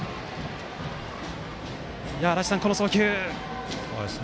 足達さん、この送球です。